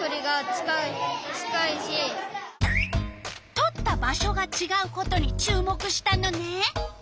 とった場所がちがうことに注目したのね。